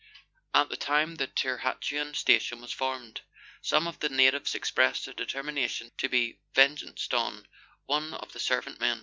At the time the Tirhatuan Station was formed, some of the natives expressed a determination to be revenged on one of the servant men.